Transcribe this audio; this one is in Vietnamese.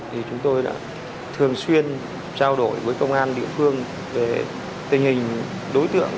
thì chúng tôi đã thường xuyên trao đổi với công an địa phương về tình hình đối tượng